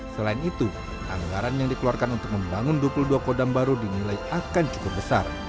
selain itu anggaran yang dikeluarkan untuk membangun dua puluh dua kodam baru dinilai akan cukup besar